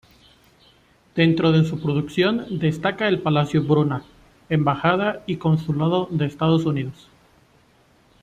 Dentro de su producción destaca el palacio Bruna, embajada y consulado de Estados Unidos.